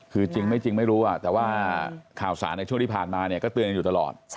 คือจริงไม่รู้แต่ว่าข่าวสารในช่วงที่ผ่านมาตื่นอยู่ตลอด